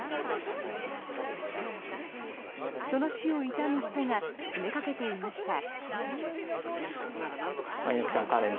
その死を悼む人が詰めかけていました。